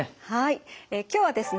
え今日はですね